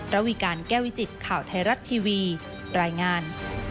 ระวีการแก้วิจิตข่าวไทยรัฐทีวีรายงาน